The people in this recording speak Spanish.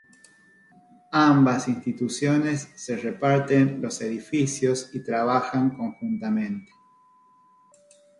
Ambas instituciones se reparten los edificios y trabajan conjuntamente.